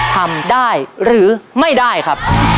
ทำได้หรือไม่ได้ครับ